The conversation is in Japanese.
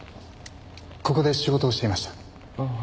ここで仕事をしていました。